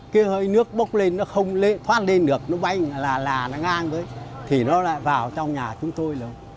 cái hơi nước bốc lên nó không thoát lên được nó bay là nó ngang thì nó lại vào trong nhà chúng tôi rồi